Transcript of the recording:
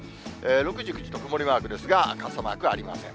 ６時、９時と曇りマークですが、傘マークはありません。